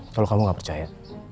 kalau kamu gak percaya